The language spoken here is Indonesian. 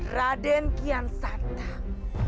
raden kian santam